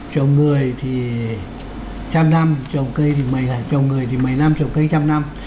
trồng người thì trăm năm trồng cây thì mấy lại trồng người thì mấy năm trồng cây trăm năm